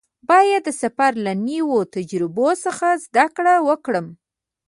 باید د سفر له نویو تجربو څخه زده کړه وکړم.